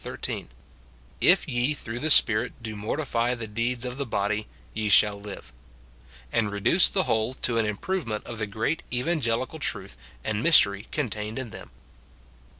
13, " If ye through the Spirit do mortify the deeds of the body ye shall live;" and reduce the whole to an improvement of the great evangelical truth and mystery contained in them.